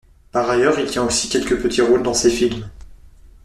Par ailleurs, il tient aussi quelques petits rôles dans ces films.